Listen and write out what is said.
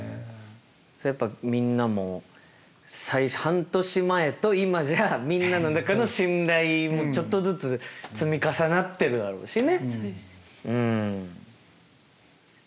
それやっぱみんなも半年前と今じゃみんなの中の信頼もちょっとずつ積み重なってるだろうしね。